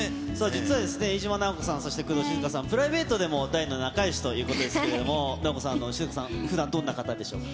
実は飯島直子さん、そして工藤静香さん、プライベートでも大の仲よしということですけれども、直子さん、静香さん、ふだんどんな方でしょうか。